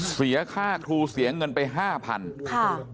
เสียค่าครูเสียเงินไปห้าพันค่ะ